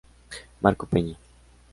Marco Peña.